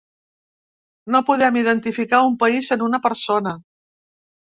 No podem identificar un país en una persona.